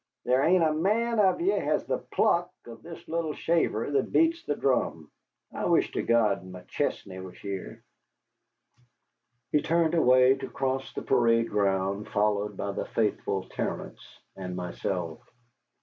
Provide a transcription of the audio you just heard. There hain't a man of ye has the pluck of this little shaver that beats the drum. I wish to God McChesney was here." He turned away to cross the parade ground, followed by the faithful Terence and myself.